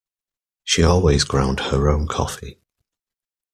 She always ground her own coffee.